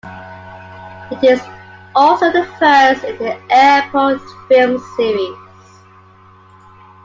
It is also the first in the "Airport" film series.